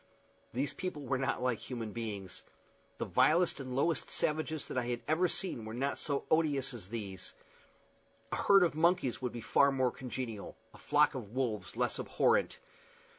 These people were not like human beings. The vilest and lowest savages that I had ever seen were not so odious as these. A herd of monkeys would be far more congenial, a flock of wolves less abhorrent.